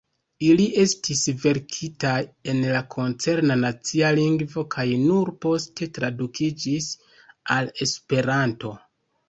Ili estis verkitaj en la koncerna nacia lingvo kaj nur poste tradukiĝis al Esperanto.